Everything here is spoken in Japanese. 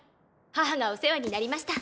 母がお世話になりました！